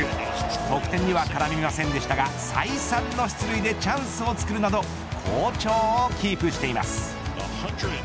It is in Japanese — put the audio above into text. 得点には絡みませんでしたが再三の出塁でチャンスをつくるなど好調をキープしています。